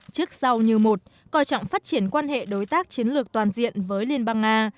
trước sau như một coi trọng phát triển quan hệ đối tác chiến lược toàn diện với liên bang nga